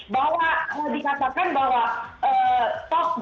bahwa dikatakan bahwa sok dia sudah mati